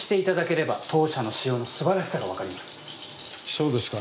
そうですか。